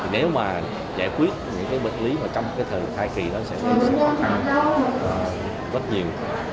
nếu mà giải quyết những cái bệnh lý mà trong cái thời gian thai kỳ nó sẽ phát hành rất nhiều